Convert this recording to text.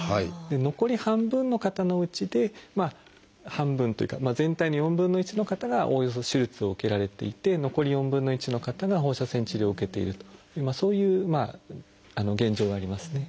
残り半分の方のうちで半分というか全体の４分の１の方がおおよそ手術を受けられていて残り４分の１の方が放射線治療を受けているというそういう現状がありますね。